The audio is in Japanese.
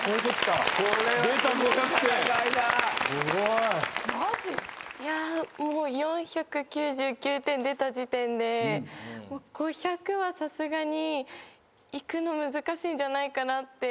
いやもう４９９点出た時点で５００はさすがにいくの難しいんじゃないかなって